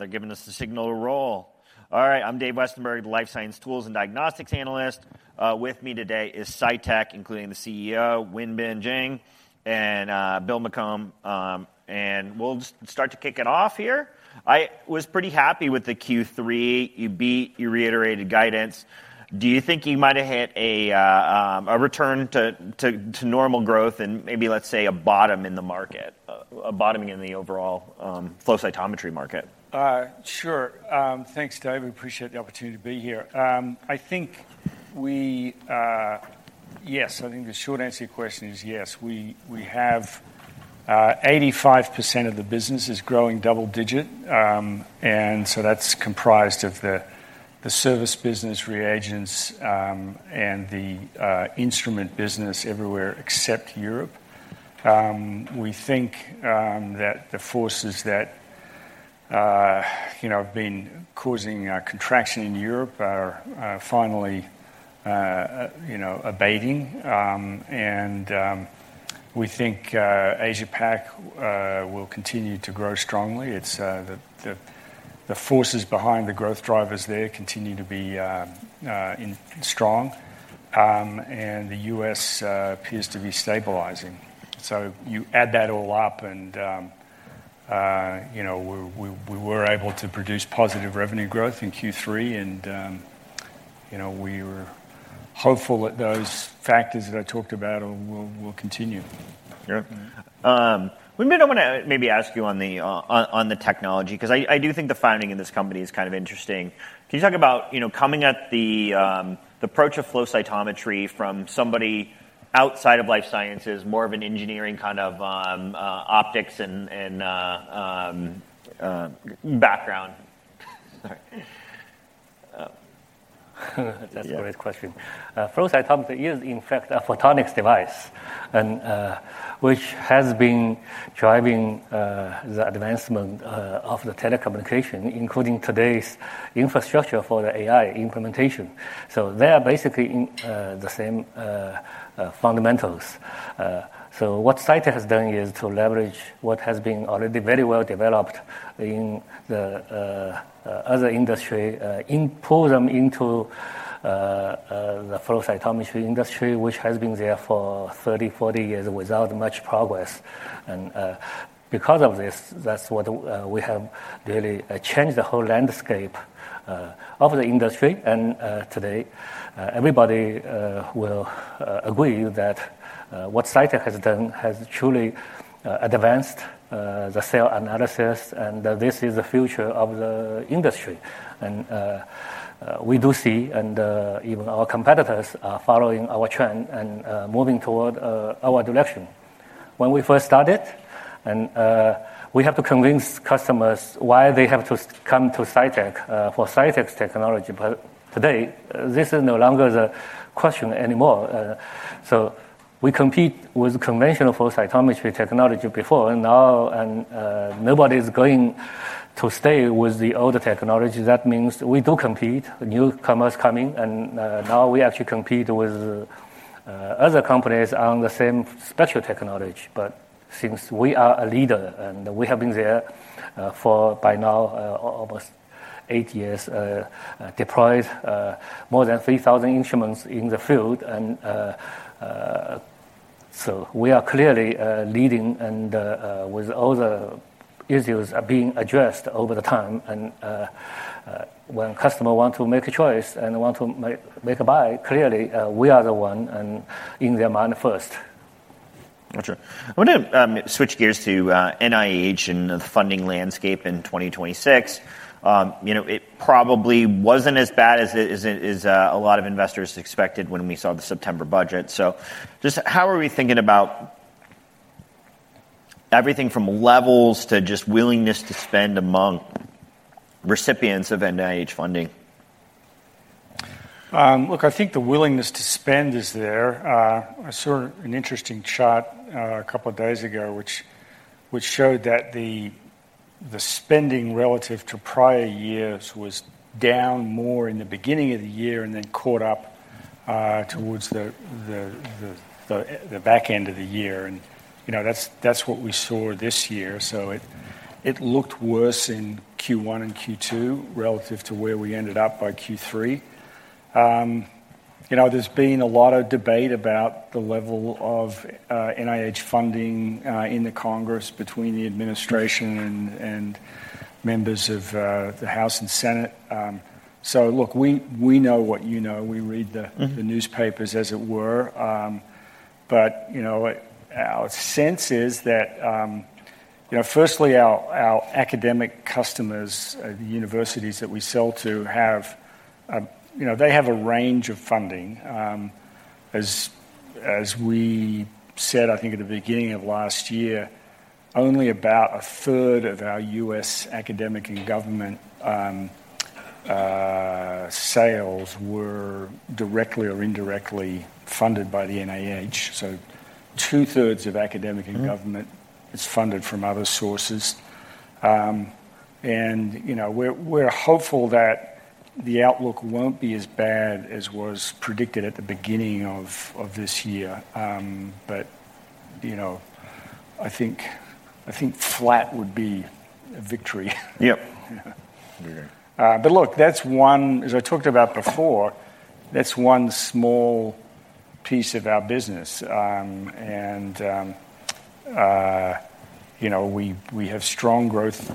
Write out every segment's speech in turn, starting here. All right. They're giving us the signal to roll. All right. I'm Dave Westenberg, the Life Science Tools and Diagnostics Analyst. With me today is Cytek, including the CEO, Wenbin Jiang, and Bill McCombe. And we'll just start to kick it off here. I was pretty happy with the Q3. You beat, you reiterated guidance. Do you think you might have hit a return to normal growth and maybe, let's say, a bottom in the market, a bottoming in the overall flow cytometry market? Sure. Thanks, Dave. I appreciate the opportunity to be here. I think, yes, I think the short answer to your question is yes. We have 85% of the business is growing double-digit, and so that's comprised of the service business, reagents, and the instrument business everywhere except Europe. We think that the forces that have been causing contraction in Europe are finally abating, and we think Asia-Pac will continue to grow strongly. The forces behind the growth drivers there continue to be strong, and the US appears to be stabilizing, so you add that all up, and we were able to produce positive revenue growth in Q3. And we were hopeful that those factors that I talked about will continue. Yep. Wenbin, I want to maybe ask you on the technology, because I do think the founding in this company is kind of interesting. Can you talk about coming at the approach of flow cytometry from somebody outside of life sciences, more of an engineering kind of optics and background? That's a great question. Flow cytometry is, in fact, a photonics device, which has been driving the advancement of the telecommunications, including today's infrastructure for the AI implementation, so they are basically the same fundamentals, so what Cytek has done is to leverage what has been already very well developed in the other industry, pull them into the flow cytometry industry, which has been there for 30, 40 years without much progress, and because of this, that's what we have really changed the whole landscape of the industry, and today, everybody will agree that what Cytek has done has truly advanced the cell analysis, and this is the future of the industry, and we do see, and even our competitors are following our trend and moving toward our direction. When we first started, we had to convince customers why they have to come to Cytek for Cytek's technology. But today, this is no longer the question anymore. So we compete with conventional flow cytometry technology before. And now, nobody is going to stay with the older technology. That means we do compete. Newcomers coming. And now we actually compete with other companies on the same spectral technology. But since we are a leader, and we have been there for, by now, almost eight years, deployed more than 3,000 instruments in the field. And so we are clearly leading. And with all the issues being addressed over the time, and when customers want to make a choice and want to make a buy, clearly we are the one in their mind first. Gotcha. I want to switch gears to NIH and the funding landscape in 2026. It probably wasn't as bad as a lot of investors expected when we saw the September budget. So just how are we thinking about everything from levels to just willingness to spend among recipients of NIH funding? Look, I think the willingness to spend is there. I saw an interesting chart a couple of days ago, which showed that the spending relative to prior years was down more in the beginning of the year and then caught up towards the back end of the year, and that's what we saw this year, so it looked worse in Q1 and Q2 relative to where we ended up by Q3. There's been a lot of debate about the level of NIH funding in Congress between the administration and members of the House and Senate, so look, we know what you know. We read the newspapers as it were, but our sense is that, firstly, our academic customers, the universities that we sell to, they have a range of funding. As we said, I think at the beginning of last year, only about a third of our U.S. academic and government sales were directly or indirectly funded by the NIH. So two-thirds of academic and government is funded from other sources. And we're hopeful that the outlook won't be as bad as was predicted at the beginning of this year. But I think flat would be a victory. Yep. But look, as I talked about before, that's one small piece of our business. And we have strong growth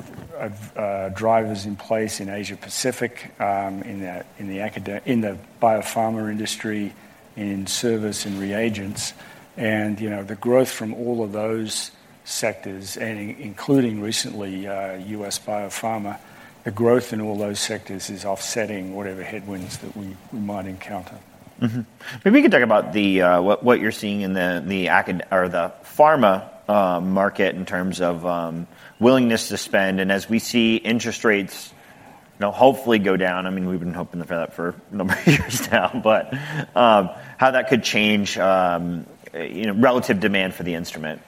drivers in place in Asia-Pacific, in the biopharma industry, in service and reagents. And the growth from all of those sectors, including recently U.S. biopharma, the growth in all those sectors is offsetting whatever headwinds that we might encounter. Maybe we can talk about what you're seeing in the pharma market in terms of willingness to spend. And as we see interest rates hopefully go down, I mean, we've been hoping for that for a number of years now, but how that could change relative demand for the instrument?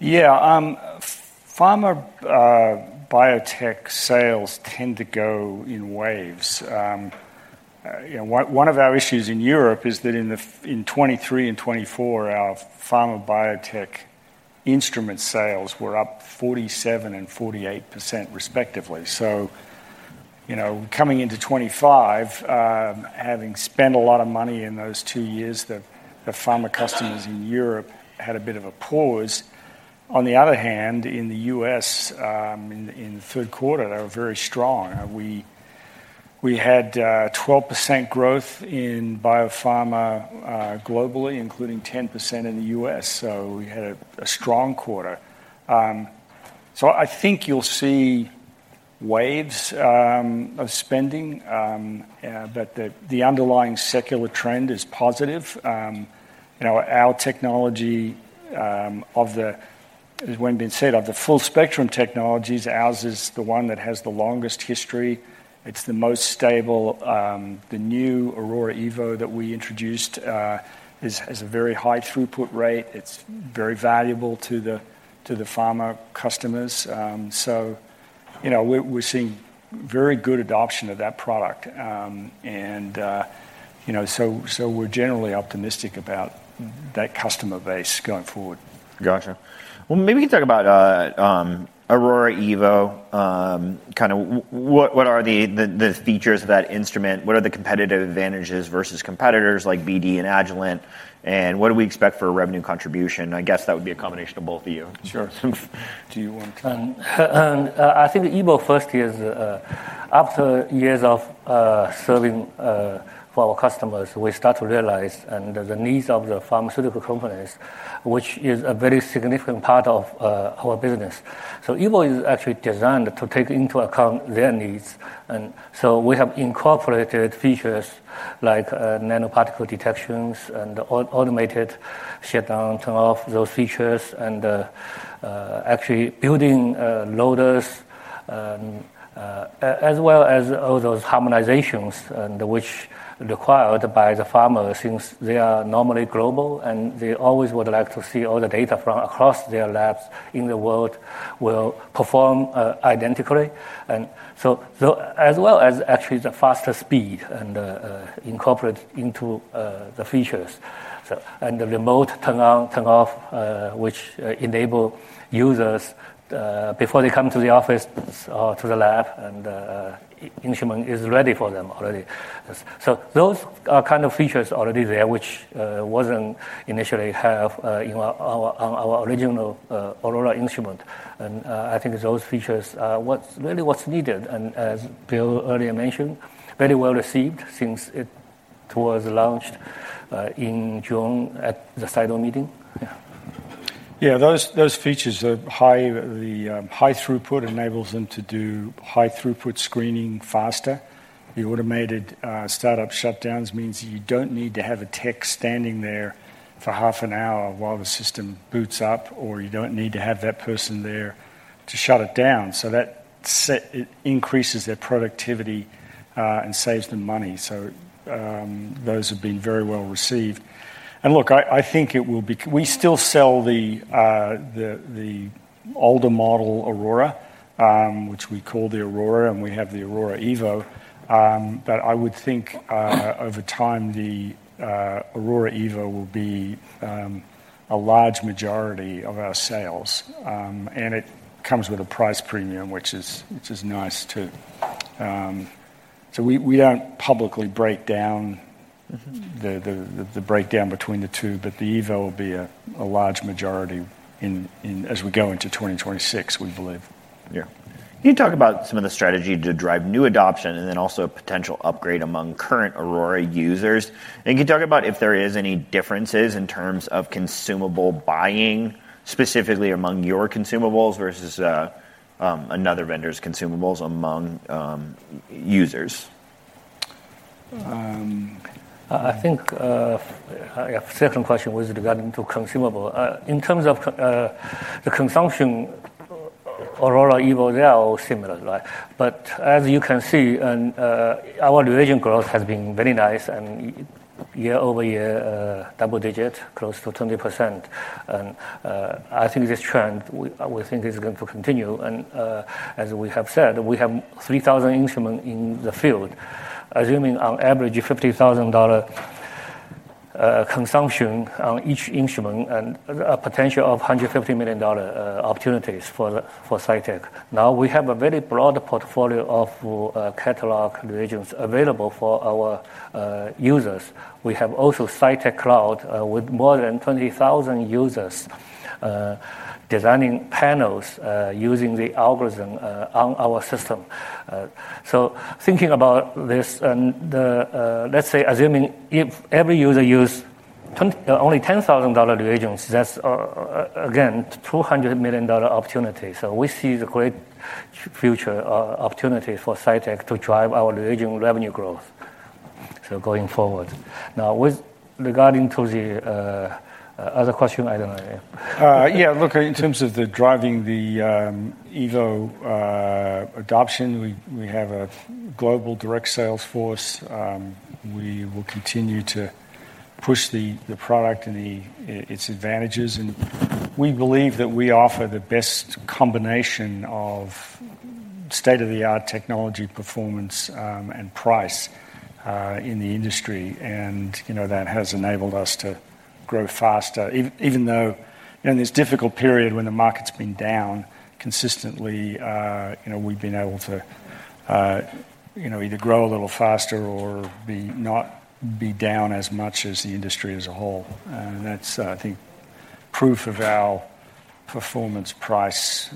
Yeah. Pharma biotech sales tend to go in waves. One of our issues in Europe is that in 2023 and 2024, our pharma biotech instrument sales were up 47% and 48% respectively. So coming into 2025, having spent a lot of money in those two years, the pharma customers in Europe had a bit of a pause. On the other hand, in the U.S., in the third quarter, they were very strong. We had 12% growth in biopharma globally, including 10% in the U.S. So we had a strong quarter. So, I think you'll see waves of spending. But the underlying secular trend is positive. Our technology of the, as Wenbin said, of the full spectrum technologies, ours is the one that has the longest history. It's the most stable. The new Aurora Evo that we introduced has a very high throughput rate. It's very valuable to the pharma customers. So we're seeing very good adoption of that product. And so we're generally optimistic about that customer base going forward. Gotcha. Well, maybe we can talk about Aurora Evo. Kind of what are the features of that instrument? What are the competitive advantages versus competitors like BD and Agilent? And what do we expect for revenue contribution? I guess that would be a combination of both of you. Sure. Do you want to? I think Evo first is, after years of serving for our customers, we start to realize the needs of the pharmaceutical companies, which is a very significant part of our business. So Evo is actually designed to take into account their needs. And so we have incorporated features like nanoparticle detections and automated shutdown turn-off, those features, and actually building loaders, as well as all those harmonizations, which are required by the pharma since they are normally global and they always would like to see all the data from across their labs in the world will perform identically. And so as well as actually the faster speed and incorporate into the features. And the remote turn-on, turn-off, which enables users before they come to the office or to the lab, and the instrument is ready for them already. So those are kind of features already there, which wasn't initially have on our original Aurora instrument. And I think those features are really what's needed. And as Bill earlier mentioned, very well received since it was launched in June at the CYTO meeting. Yeah, those features are high. The high throughput enables them to do high throughput screening faster. The automated startup shutdowns means you don't need to have a tech standing there for half an hour while the system boots up, or you don't need to have that person there to shut it down, so that increases their productivity and saves them money, so those have been very well received, and look, I think it will be we still sell the older model Aurora, which we call the Aurora, and we have the Aurora Evo, but I would think over time, the Aurora Evo will be a large majority of our sales, and it comes with a price premium, which is nice too, so we don't publicly break down the breakdown between the two, but the Evo will be a large majority as we go into 2026, we believe. Yeah. Can you talk about some of the strategy to drive new adoption and then also potential upgrade among current Aurora users? And can you talk about if there is any differences in terms of consumable buying, specifically among your consumables versus another vendor's consumables among users? I think a second question was regarding consumables. In terms of the consumption, Aurora Evo, they are all similar. But as you can see, our reagent growth has been very nice and year-over-year, double-digit, close to 20%. I think this trend, we think, is going to continue. As we have said, we have 3,000 instruments in the field, assuming on average $50,000 consumption on each instrument and a potential of $150 million opportunities for Cytek. Now we have a very broad portfolio of catalog reagents available for our users. We have also Cytek Cloud with more than 20,000 users designing panels using the algorithm on our system. Thinking about this, and let's say, assuming if every user used only $10,000 reagents, that's, again, $200 million opportunity. We see the great future opportunity for Cytek to drive our reagent revenue growth going forward. Now, regarding to the other question, I don't know. Yeah, look, in terms of driving the Evo adoption, we have a global direct sales force. We will continue to push the product and its advantages. And we believe that we offer the best combination of state-of-the-art technology, performance, and price in the industry. And that has enabled us to grow faster. Even though in this difficult period when the market's been down consistently, we've been able to either grow a little faster or not be down as much as the industry as a whole. And that's, I think, proof of our performance-price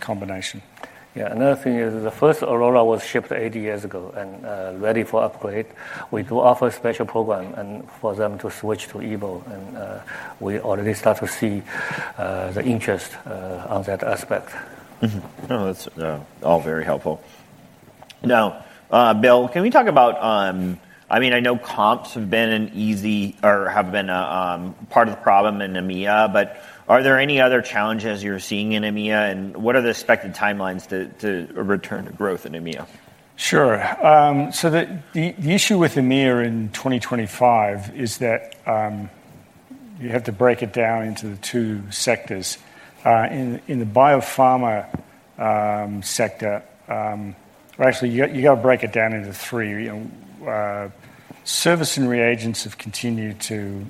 combination. Yeah. Another thing is the first Aurora was shipped 80 years ago and ready for upgrade. We do offer a special program for them to switch to Evo. And we already start to see the interest on that aspect. That's all very helpful. Now, Bill, can we talk about, I mean, I know comps have been an easy or have been part of the problem in EMEA, but are there any other challenges you're seeing in EMEA? And what are the expected timelines to return to growth in EMEA? Sure. So the issue with EMEA in 2025 is that you have to break it down into the two sectors. In the biopharma sector, actually, you got to break it down into three. Services and reagents have continued to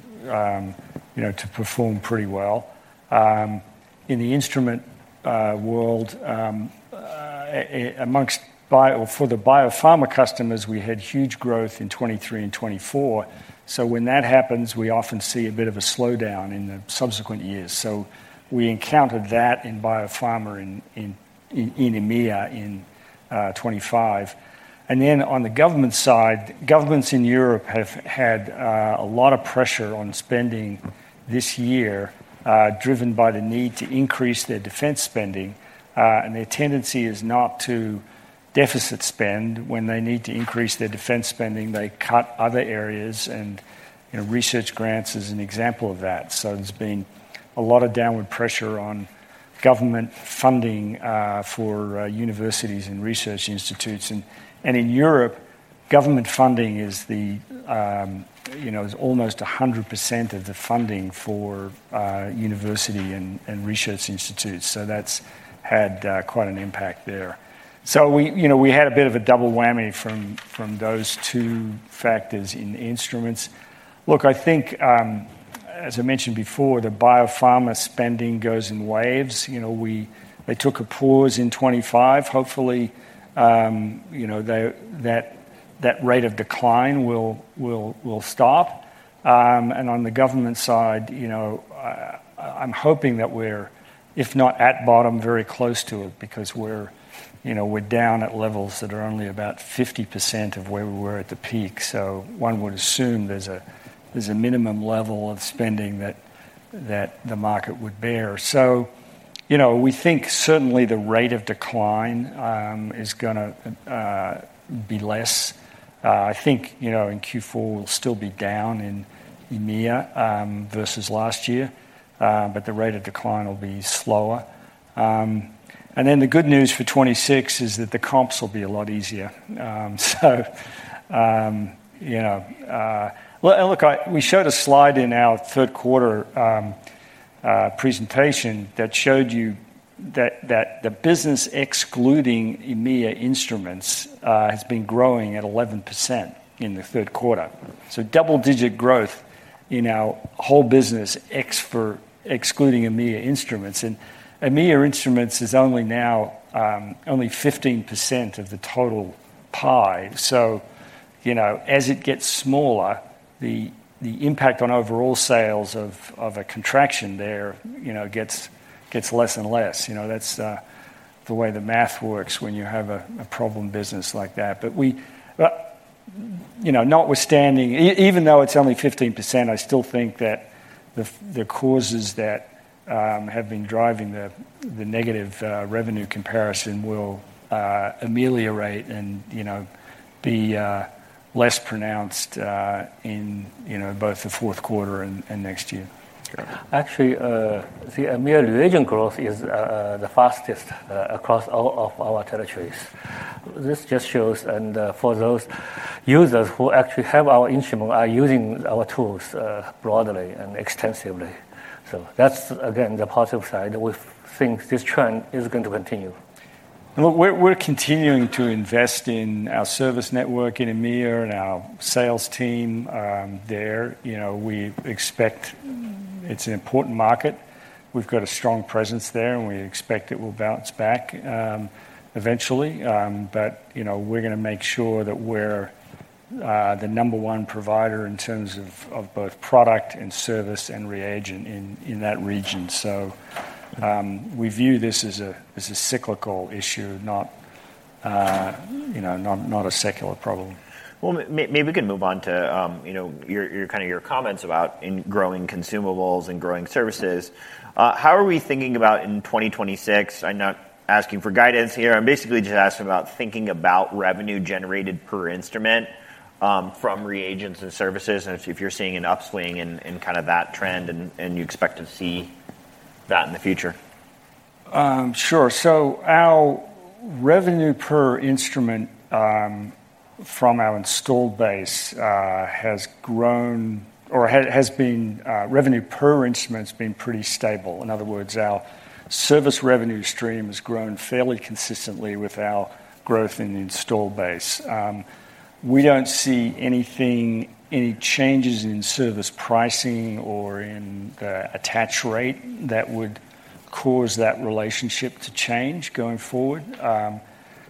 perform pretty well. In the instrument world, among the biopharma customers, we had huge growth in 2023 and 2024. So when that happens, we often see a bit of a slowdown in the subsequent years. So we encountered that in biopharma in EMEA in 2025. And then on the government side, governments in Europe have had a lot of pressure on spending this year, driven by the need to increase their defense spending. And their tendency is not to deficit spend. When they need to increase their defense spending, they cut other areas. And research grants is an example of that. So there's been a lot of downward pressure on government funding for universities and research institutes. And in Europe, government funding is almost 100% of the funding for university and research institutes. So that's had quite an impact there. So we had a bit of a double whammy from those two factors in instruments. Look, I think, as I mentioned before, the biopharma spending goes in waves. They took a pause in 2025. Hopefully, that rate of decline will stop. And on the government side, I'm hoping that we're, if not at bottom, very close to it because we're down at levels that are only about 50% of where we were at the peak. So one would assume there's a minimum level of spending that the market would bear. So we think certainly the rate of decline is going to be less. I think in Q4 we'll still be down in EMEA versus last year, but the rate of decline will be slower, and then the good news for 2026 is that the comps will be a lot easier, so look, we showed a slide in our third quarter presentation that showed you that the business excluding EMEA instruments has been growing at 11% in the third quarter, so double-digit growth in our whole business excluding EMEA instruments, and EMEA instruments is only 15% of the total pie, so as it gets smaller, the impact on overall sales of a contraction there gets less and less. That's the way the math works when you have a problem business like that. But notwithstanding, even though it's only 15%, I still think that the causes that have been driving the negative revenue comparison will ameliorate and be less pronounced in both the fourth quarter and next year. Actually, the EMEA reagent growth is the fastest across all of our territories. This just shows, and for those users who actually have our instrument, are using our tools broadly and extensively, so that's, again, the positive side. We think this trend is going to continue. We're continuing to invest in our service network in EMEA and our sales team there. We expect it's an important market. We've got a strong presence there, and we expect it will bounce back eventually. But we're going to make sure that we're the number one provider in terms of both product and service and reagent in that region. So we view this as a cyclical issue, not a secular problem. Maybe we can move on to kind of your comments about growing consumables and growing services. How are we thinking about in 2026? I'm not asking for guidance here. I'm basically just asking about thinking about revenue generated per instrument from reagents and services, and if you're seeing an upswing in kind of that trend, and you expect to see that in the future. Sure. So our revenue per instrument from our installed base has grown or has been revenue per instruments been pretty stable. In other words, our service revenue stream has grown fairly consistently with our growth in the installed base. We don't see any changes in service pricing or in the attach rate that would cause that relationship to change going forward.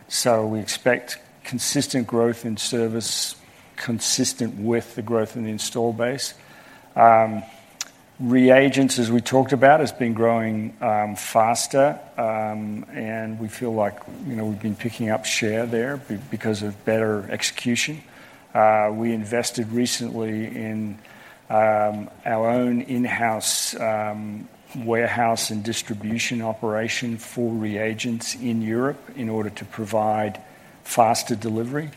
So we expect consistent growth in service, consistent with the growth in the installed base. Reagents, as we talked about, have been growing faster, and we feel like we've been picking up share there because of better execution. We invested recently in our own in-house warehouse and distribution operation for reagents in Europe in order to provide faster delivery,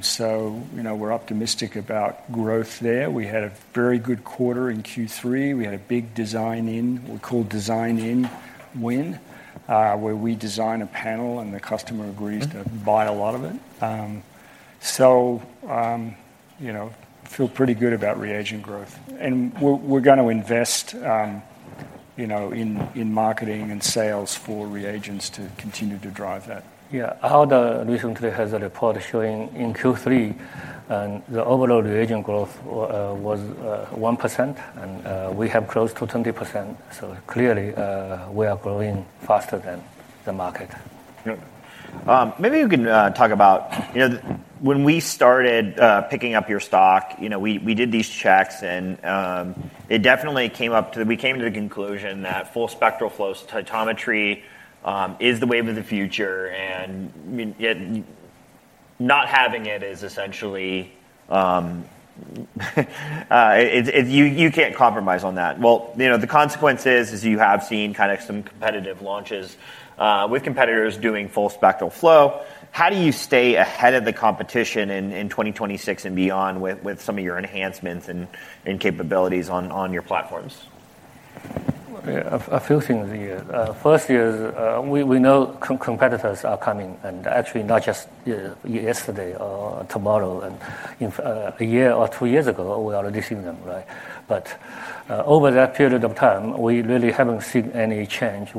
so we're optimistic about growth there. We had a very good quarter in Q3. We had a big design-in, we call design-in win, where we design a panel and the customer agrees to buy a lot of it. So I feel pretty good about reagent growth. And we're going to invest in marketing and sales for reagents to continue to drive that. Yeah. BTIG recently has a report showing in Q3, the overall reagent growth was 1% and we have close to 20%, so clearly, we are growing faster than the market. Maybe you can talk about when we started picking up your stock, we did these checks, and it definitely came up to we came to the conclusion that full spectral flow cytometry is the wave of the future, and not having it is essentially you can't compromise on that, well, the consequence is you have seen kind of some competitive launches with competitors doing full spectral flow. How do you stay ahead of the competition in 2026 and beyond with some of your enhancements and capabilities on your platforms? A few things. First, we know competitors are coming. And actually, not just yesterday or tomorrow. A year or two years ago, we already seen them. But over that period of time, we really haven't seen any change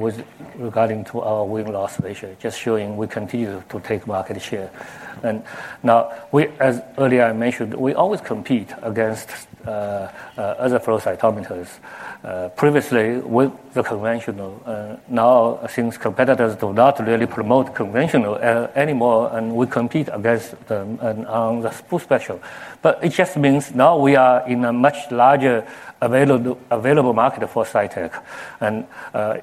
regarding to our win-loss ratio, just showing we continue to take market share. And now, as earlier I mentioned, we always compete against other flow cytometers. Previously, with the conventional, now since competitors do not really promote conventional anymore, and we compete against them on the full spectral. But it just means now we are in a much larger available market for Cytek. And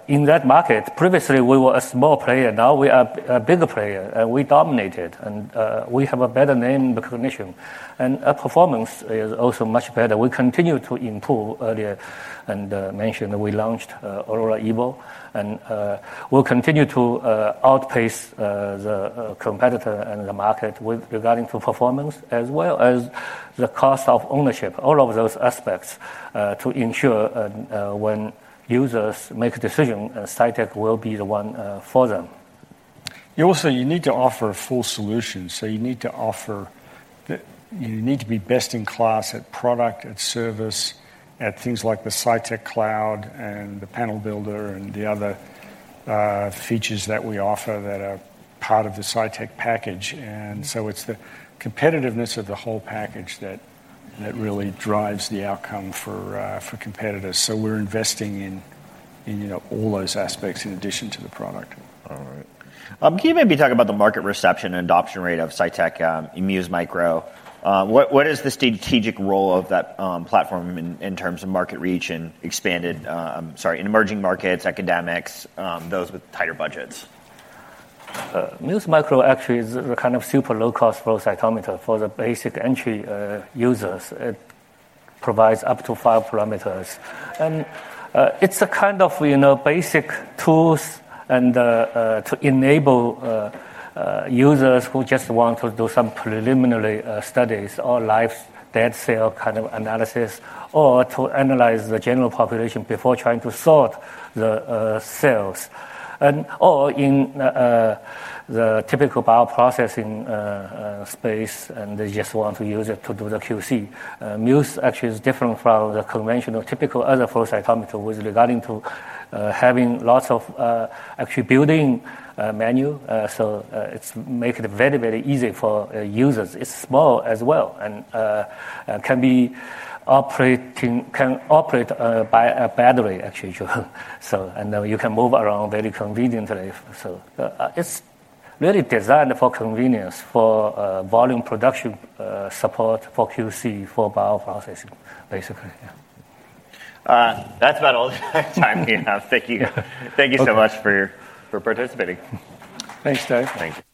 in that market, previously, we were a small player. Now we are a bigger player. And we dominated. And we have a better name recognition. And our performance is also much better. We continue to improve. Earlier I mentioned we launched Aurora Evo. We'll continue to outpace the competitor and the market regarding to performance, as well as the cost of ownership, all of those aspects to ensure when users make a decision, Cytek will be the one for them. You also need to offer full solutions. So you need to be best in class at product, at service, at things like the Cytek Cloud and the Panel Builder and the other features that we offer that are part of the Cytek package, and so it's the competitiveness of the whole package that really drives the outcome for competitors, so we're investing in all those aspects in addition to the product. All right. Can you maybe talk about the market reception and adoption rate of Cytek Guava Muse? What is the strategic role of that platform in terms of market reach and expanded, sorry, in emerging markets, academics, those with tighter budgets? Guava Muse actually is a kind of super low-cost flow cytometer for the basic entry users. It provides up to five parameters. It's a kind of basic tools to enable users who just want to do some preliminary studies or live dead cell kind of analysis or to analyze the general population before trying to sort the cells. Or in the typical bioprocessing space, and they just want to use it to do the QC. Guava Muse actually is different from the conventional typical other flow cytometer with regard to having lots of actual built-in manual. It's making it very, very easy for users. It's small as well and can operate by a battery, actually. Then you can move around very conveniently. It's really designed for convenience, for volume production support for QC, for bioprocessing, basically. All right. That's about all the time we have. Thank you. Thank you so much for participating. Thanks, Dave. Thank you.